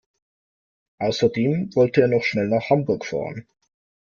Außerdem wollte er noch schnell nach Hamburg fahren